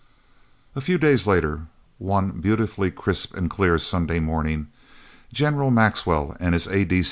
A few days later, one beautifully crisp and clear Sunday morning, General Maxwell and his A.